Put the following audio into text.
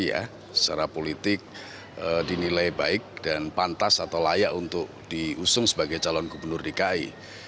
ya secara politik dinilai baik dan pantas atau layak untuk diusung sebagai calon gubernur dki